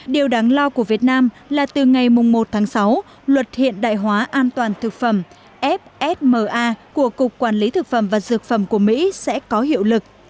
điều đáng lo của việt nam là từ ngày một tháng sáu luật hiện đại hóa an toàn thực phẩm fsma của cục quản lý thực phẩm và dược phẩm của mỹ sẽ có hiệu lực